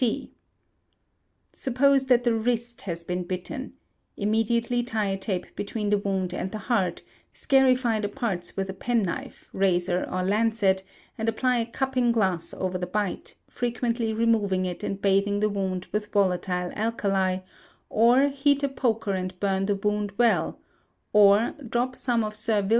T. Suppose that the wrist has been bitten: immediately tie a tape between the wound and the heart, scarify the parts with a penknife, razor, or lancet, and apply a cupping glass over the bite, frequently removing it and bathing the wound with volatile alkali, or heat a poker and burn the wound well, or drop some of Sir Wm.